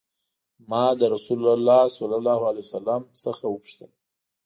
ما له رسول الله صلی الله علیه وسلم نه وپوښتل.